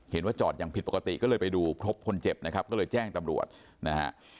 เห็นว่าจอดอย่างผิดปกติก็เลยไปดูพบคนเจ็บนะครับก็เลยแจ้งตำรวจนะฮะ